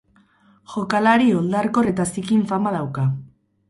Jokalari oldarkor eta zikin fama dauka.